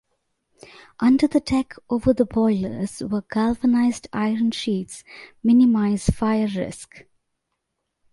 Under the deck over the boilers were galvanised iron sheets minimise fire risk.